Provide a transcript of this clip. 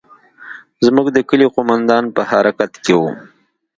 زموږ د کلي قومندان په حرکت کښې و.